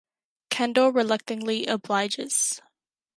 Kendall reluctantly obliges.